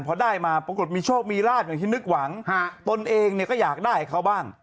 พอได้มาปรากฏมีโชคมีลาบอย่างที่นึกหวังตนเองเนี่ยก็อยากได้เขาบ้าง